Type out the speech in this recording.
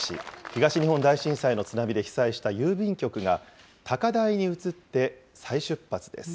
東日本大震災の津波で被災した郵便局が、高台に移って再出発です。